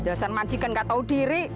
jauh jauh mancikan gak tau diri